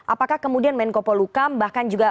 apakah kemudian menko polukam bahkan juga